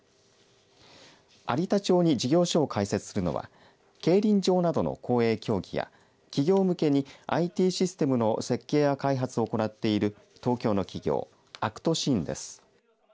有田町に事業所を開設するのは競輪場などの公営競技や企業向けにＩＴシステムの設計や開発を行っている東京の企業、アクトシーンです。